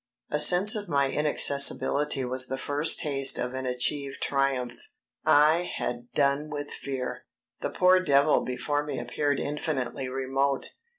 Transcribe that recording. A sense of my inaccessibility was the first taste of an achieved triumph. I had done with fear. The poor devil before me appeared infinitely remote.